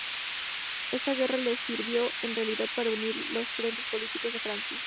Esta guerra le sirvió en realidad para unir los frentes políticos de Francia.